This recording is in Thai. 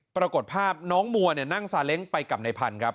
ปรากฏภาพน้องมัวนั่งซาเล้งไปกับในพันธุ์ครับ